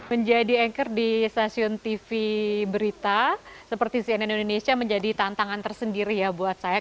menjadi anchor di stasiun tv berita seperti cnn indonesia menjadi tantangan tersendiri ya buat saya